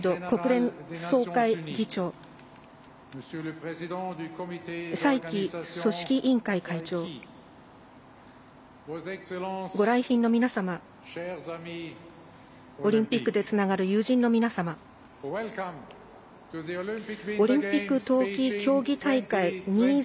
国連総会議長蔡奇組織委員会会長ご来賓の皆様オリンピックでつながる友人の皆様オリンピック冬季競技大会２０２２